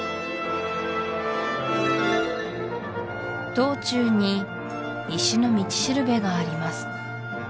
道中に石の道しるべがあります